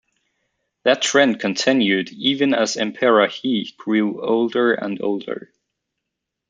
That trend continued even as Emperor He grew older and older.